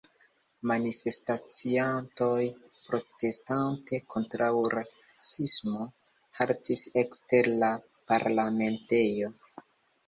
Manifestaciantoj, protestante kontraŭ rasismo, haltis ekster la parlamentejo.